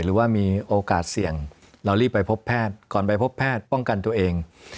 หรือว่ามีโอกาสเสี่ยงเรารีบไปพบแพทย์ก่อนไปพบแพทย์ป้องกันตัวเอง